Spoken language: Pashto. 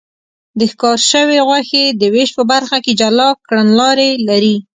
د ښکار شوې غوښې د وېش په برخه کې جلا کړنلارې لري.